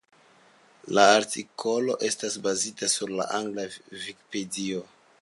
La artikolo estas bazita sur la angla Vikipedio.